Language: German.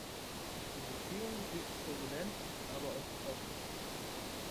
Die Beziehung blieb turbulent, aber auch „offen“.